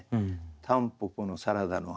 「たんぽぽのサラダの話野の話」。